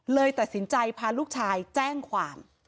เลยตัดสินใจพาลูกชายแจ้งความ